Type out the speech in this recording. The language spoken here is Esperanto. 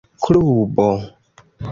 klubo